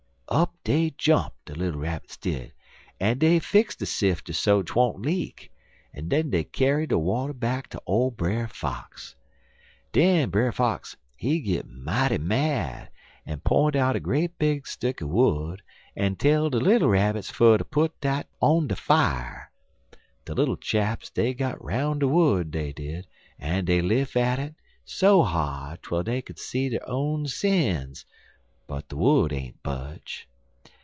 "Up dey jump, de little Rabbits did, en dey fix de sifter so 'twon't leak, en den dey kyar de water ter ole Brer Fox. Den Brer Fox he git mighty mad, en p'int out a great big stick er wood, en tell de little Rabbits fer ter put dat on de fier. De little chaps dey got 'roun' de wood, dey did, en dey lif' at it so hard twel dey could see der own sins, but de wood ain't budge.